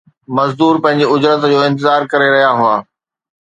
مزدور پنهنجي اجرت جو انتظار ڪري رهيا هئا